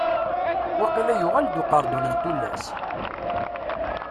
Waqila yuɣal-d uqerdun n tullas?